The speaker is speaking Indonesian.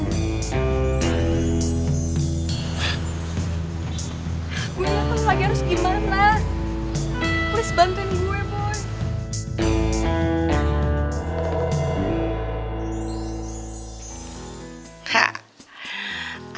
gue gak tahu lagi harus gimana